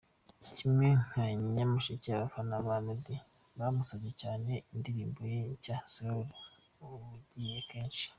Kimwe nka Nyamasheke, abafana ba Meddy bamusabye cyane indirimbo ye nshya Slowly ubugira kenshi.